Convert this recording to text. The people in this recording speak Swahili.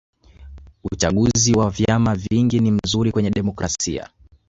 uchaguzi wa vyama vingi ni mzuri kwenye demokrasia